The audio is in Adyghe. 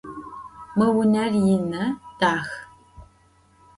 Mı vuner yinı, dax.